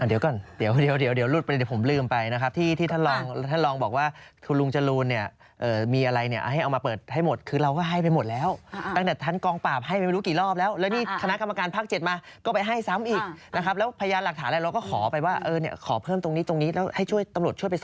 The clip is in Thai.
เดี๋ยวก่อนเดี๋ยวเดี๋ยวผมลืมไปนะครับที่ท่านรองบอกว่าคุณลุงจรูนเนี่ยมีอะไรเนี่ยให้เอามาเปิดให้หมดคือเราก็ให้ไปหมดแล้วตั้งแต่ท่านกองปราบให้ไปไม่รู้กี่รอบแล้วแล้วนี่คณะกรรมการภาค๗มาก็ไปให้ซ้ำอีกนะครับแล้วพยานหลักฐานอะไรเราก็ขอไปว่าเออเนี่ยขอเพิ่มตรงนี้ตรงนี้แล้วให้ช่วยตำรวจช่วยไปส